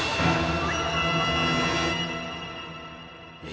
え？